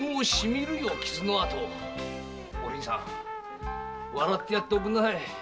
お凛さん笑ってやっておくんなさい。